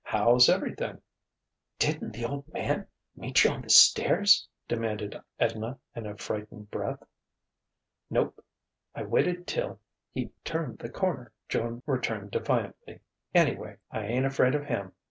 "How's everything?" "Didn't the Old Man meet you on the stairs?" demanded Edna in a frightened breath. "Nope: I waited till he'd turned the corner," Joan returned defiantly. "Anyway I ain't afraid of him.